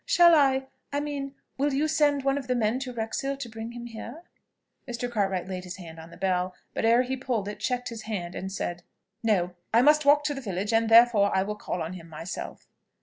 "Shall I ... I mean, will you send one of the men to Wrexhill to bring him here?" Mr. Cartwright laid his hand on the bell, but, ere he pulled it, checked his hand, and said, "No! I must walk to the village, and therefore I will call on him myself."